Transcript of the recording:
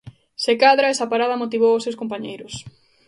Se cadra esa parada motivou os seus compañeiros.